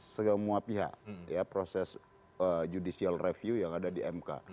semua pihak ya proses judicial review yang ada di mk